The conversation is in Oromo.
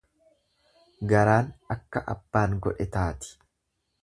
Garaan akka abbaan godhe taati.